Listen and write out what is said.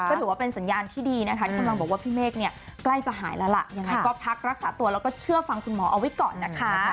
ก็ถือว่าเป็นสัญญาณที่ดีนะคะพี่เม็ดเนี่ยใกล้จะหายแล้วล่ะอย่างนั้นก็พักรักษาตัวแล้วก็เชื่อฟังคุณหมอเอาไว้ก่อนนะคะ